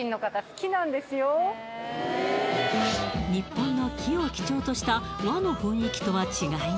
日本の木を基調とした和の雰囲気とは違い